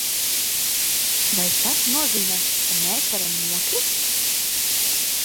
Vai tas nozīmē, ka mēs varam nokrist?